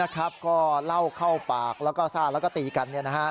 ก็เล่าเข้าปากแล้วก็ซ่าแล้วก็ตีกัน